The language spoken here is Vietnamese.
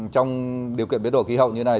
trong điều kiện biến đổi khí hậu như này